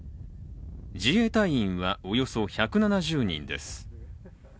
自衛隊員は、およそ１７０人です。